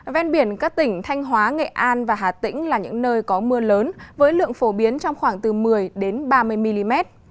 ven biển các tỉnh thanh hóa nghệ an và hà tĩnh là những nơi có mưa lớn với lượng phổ biến trong khoảng từ một mươi ba mươi mm